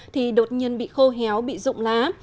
thì đột nhiên bị khô héo bị rụng lá